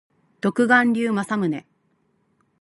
独眼竜政宗